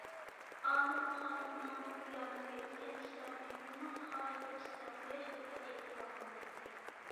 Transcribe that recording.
ئالىم خالىقنىڭ ياردىمىگە ئېرىشكەن كىشىلەر ئۈچۈن، ئۇنىڭ ساخاۋەتلىك ئىشلىرى قۇياش نۇرىدەك ئىللىق ۋە قىممەتلىك.